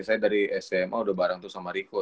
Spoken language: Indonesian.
saya dari sma udah bareng tuh sama riko